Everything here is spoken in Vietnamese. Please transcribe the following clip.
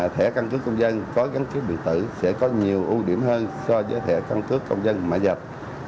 thẻ cân cước công dân có gắn chiếc điện tử sẽ có nhiều ưu điểm hơn so với thẻ cân cước công dân mã dạch